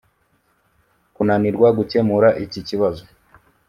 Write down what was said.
Kunanirwa gukemura iki kibazo